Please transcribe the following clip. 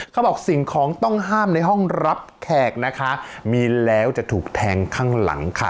เขาบอกสิ่งของต้องห้ามในห้องรับแขกนะคะมีแล้วจะถูกแทงข้างหลังค่ะ